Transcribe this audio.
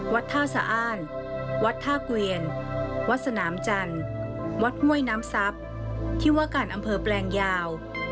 วัดท่าเกวียนวัดสนามจันทร์วัดห้วยน้ำซับที่ว่าก่อนอำเภอแปลงยาว